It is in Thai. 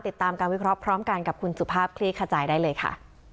ติดตามการวิเคราะห์พร้อมกันกับคุณสุภาพคลี่ขจายได้เลยค่ะ